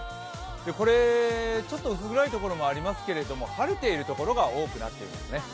これ、ちょっと薄暗いところもありますけれども晴れているところが多くなっていますね。